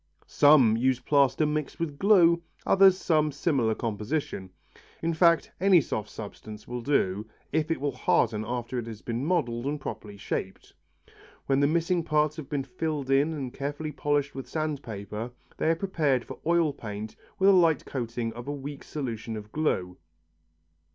Some use plaster mixed with glue, others some similar composition, in fact any soft substance will do if it will harden after it has been modelled and properly shaped. When the missing parts have been filled in and carefully polished with sand paper, they are prepared for oil paint with a light coating of a weak solution of glue.